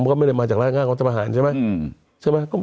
เขาก็ไม่ได้มาจากรายงานอัตตาบาหารใช่ไหม